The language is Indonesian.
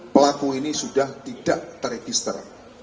pelaku ini sudah tidak terregister